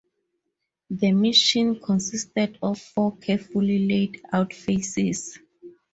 The mission consisted of four carefully laid out phases.